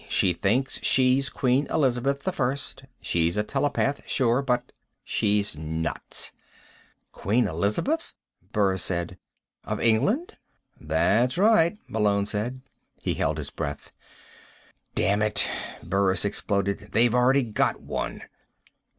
She thinks she's Queen Elizabeth I. She's a telepath, sure, but she's nuts." "Queen Elizabeth?" Burris said. "Of England?" "That's right," Malone said. He held his breath. "Damn it," Burris exploded, "they've already got one."